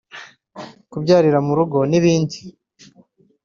kubyarira mu rugo n'ibindi